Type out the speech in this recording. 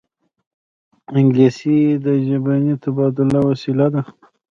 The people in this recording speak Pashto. انګلیسي د ژبني تبادلې وسیله ده